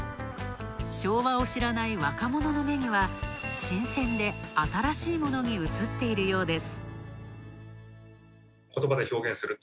昭和を知らない若者の目には新鮮で新しいものにうつっているようです。